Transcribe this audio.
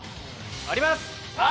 あります！